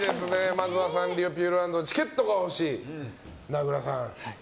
まずはサンリオピューロランドチケットが欲しい名倉さん。